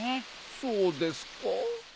そうですか。